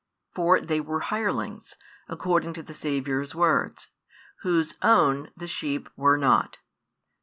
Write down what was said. For they were hirelings, according to the Saviour's words, whose own the sheep were not.